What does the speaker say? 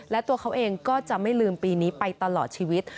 และตัวเขาเองก็จะไม่ลืมปีนี้ไปตลอดชีวิต